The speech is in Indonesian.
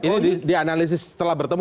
ini dianalisis setelah bertemu